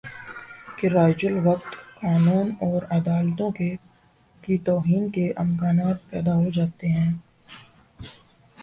کہ رائج الوقت قانون اور عدالتوں کی توہین کے امکانات پیدا ہو جاتے ہیں